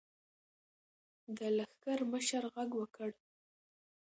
د لښکر مشر غږ وکړ.